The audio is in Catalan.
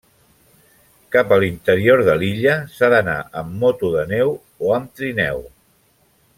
Cap a l'interior de l'illa s'ha d'anar amb moto de neu o amb trineu.